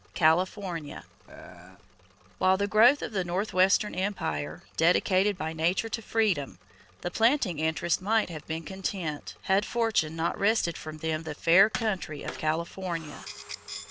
=California.= With the growth of the northwestern empire, dedicated by nature to freedom, the planting interests might have been content, had fortune not wrested from them the fair country of California.